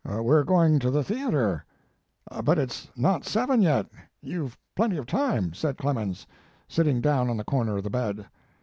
"We re going to the theatre." "But it s not seven yet, you ve plenty of time, "said Clemens, sitting down on the corner of the bed.